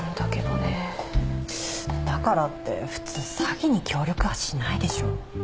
だからって普通詐欺に協力はしないでしょ。